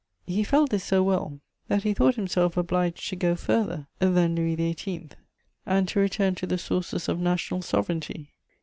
He felt this so well that he thought himself obliged to go further than Louis XVIII. and to return to the sources of national sovereignty.